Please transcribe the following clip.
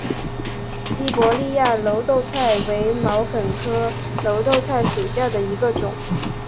西伯利亚耧斗菜为毛茛科耧斗菜属下的一个种。